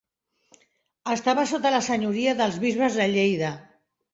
Estava sota la senyoria dels bisbes de Lleida.